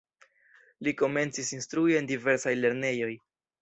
Li komencis instrui en diversaj lernejoj.